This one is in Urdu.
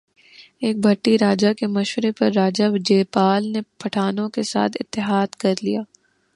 ایک بھٹی راجہ کے مشورے پر راجہ جے پال نے پٹھانوں کے ساتھ اتحاد کر لیا